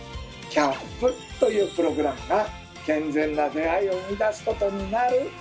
キャンプというプログラムが健全な出会いを生み出すことになる。